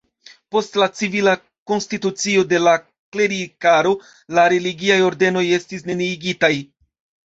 Post la civila konstitucio de la klerikaro, la religiaj ordenoj estis neniigitaj.